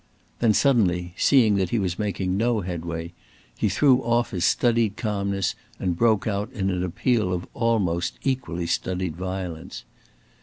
Then suddenly, seeing that he was making no headway, he threw off his studied calmness and broke out in an appeal of almost equally studied violence.